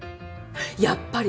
やっぱり！